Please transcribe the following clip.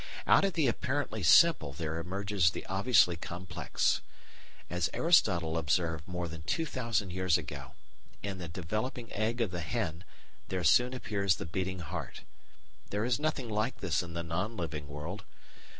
Out of the apparently simple there emerges the obviously complex. As Aristotle observed more than two thousand years ago, in the developing egg of the hen there soon appears the beating heart! There is nothing like this in the non living world.